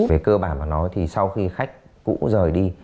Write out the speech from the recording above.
về cơ bản mà nói thì sau khi khách cũ rời đi